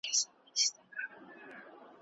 ژوند د انسان د پوهي